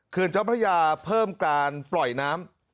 เจ้าพระยาเพิ่มการปล่อยน้ำ